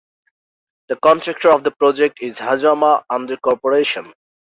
The contractor of the project is Hazama Ando Corporation.